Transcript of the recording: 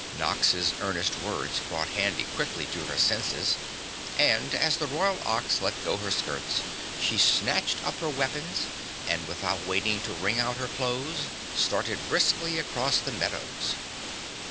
Nox's earnest words brought Handy quickly to her senses and as the Royal Ox let go her skirts, she snatched up her weapons and without waiting to wring out her clothes started briskly across the meadows.